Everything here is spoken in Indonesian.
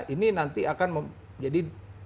ini nanti akan jadi